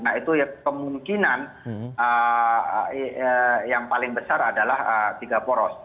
nah itu kemungkinan yang paling besar adalah tiga poros